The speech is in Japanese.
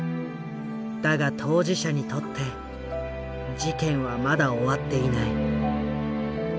だが当事者にとって事件はまだ終わっていない。